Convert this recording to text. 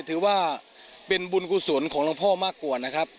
ถือว่าปินบุญกุศลของลงพ่อมากกว่า